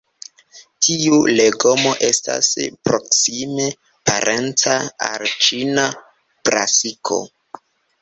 Tiu legomo estas proksime parenca al ĉina brasiko.